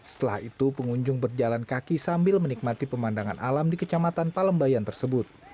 setelah itu pengunjung berjalan kaki sambil menikmati pemandangan alam di kecamatan palembayan tersebut